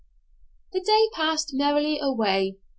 The day passed merrily away.